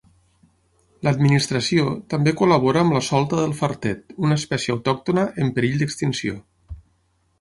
L'administració també col·labora amb la solta del Fartet, una espècie autòctona en perill d’extinció.